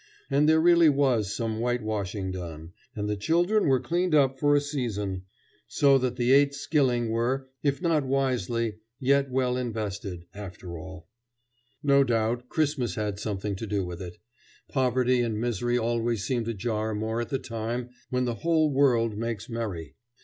And there really was some whitewashing done, and the children were cleaned up for a season. So that the eight skilling were, if not wisely, yet well invested, after all. [Illustration: The Domkirke] [Illustration: Within the Domkirke.] No doubt Christmas had something to do with it. Poverty and misery always seem to jar more at the time when the whole world makes merry.